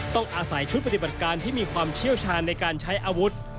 ต้องอาศัยชุดปฏิบัติการที่มีความเชี่ยวชาญในการใช้อาวุธ